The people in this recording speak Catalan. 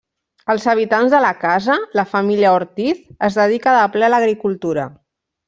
Els habitants de la casa, la família Ortiz, es dedica de ple a l'agricultura.